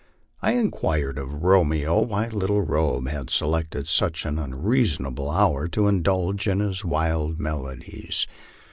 I inquired of Romeo why Little Robe had selected such an unreasonable hour to indulge in his wild melodies.